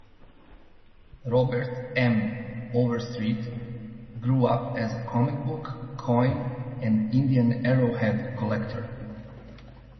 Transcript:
Robert M. Overstreet grew up as a comic book, coin, and Indian arrowhead collector.